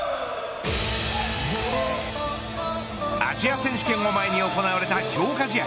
アジア選手権を前に行われた強化試合